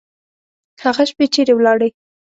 هغه شپې چیري ولاړې؟